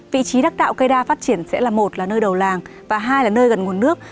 vị trí đắc đạo cây đa phát triển sẽ là một là nơi đầu làng và hai là nơi gần nguồn nước